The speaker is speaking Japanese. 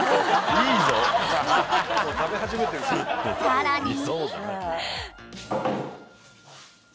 ［さらに］